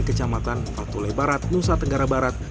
kecamatan katule barat nusa tenggara barat